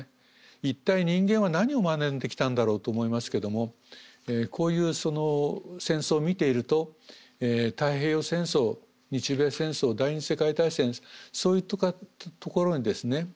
一体人間は何を学んできたんだろうと思いますけどもこういう戦争を見ていると太平洋戦争日米戦争第２次世界大戦そういうところにですね